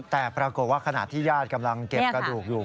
แต่ปรากฏว่าขณะที่ญาติกำลังเก็บกระดูกอยู่